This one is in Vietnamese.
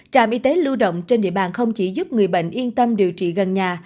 trạm y tế lưu động trên địa bàn không chỉ giúp người bệnh yên tâm điều trị gần nhà